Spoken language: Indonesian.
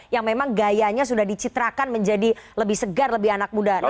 yang memang gayanya sudah dicitrakan menjadi lebih segar lebih anak muda